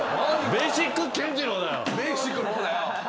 ベイシックの方だよ。